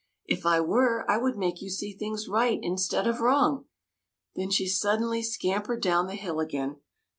" If I were, I would make you see things right in stead of wrong." Then she suddenly scam pered down the hill again.